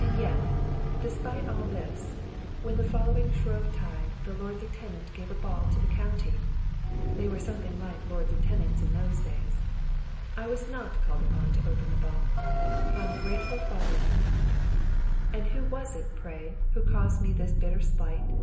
And yet, despite all this, when in the following Shrovetide the Lord Lieutenant gave a ball to the county (they were something like Lord Lieutenants in those days), I was not called upon to open the ball! Ungrateful fatherland! And who was it, pray, who caused me this bitter slight?